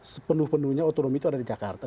sepenuh penuhnya otonomi itu ada di jakarta